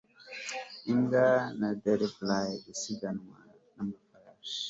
imbwa na derby gusiganwa kumafarasi